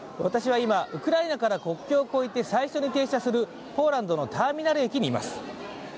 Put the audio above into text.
私は今ウクライナから国境を越えて最初に停車するポーランドのターミナル駅にいます。